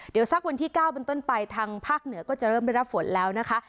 เดี๋ยวสักวันที่๙เป็นต้นไปทางภาคเหนือก็จะเริ่มได้รับฝนแล้วนะคะ